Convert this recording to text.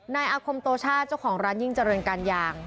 นายอาคมโตชาติเจ้าของร้านยิ่งเจริญการยาง